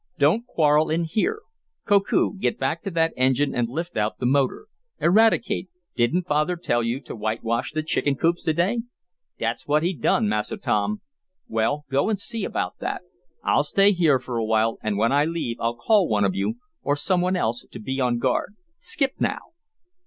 "Don't quarrel in here. Koku, get back to that engine and lift out the motor. Eradicate, didn't father tell you to whitewash the chicken coops to day?" "Dat's what he done, Massa Tom." "Well, go and see about that. I'll stay here for a while, and when I leave I'll call one of you, or some one else, to be on guard. Skip now!"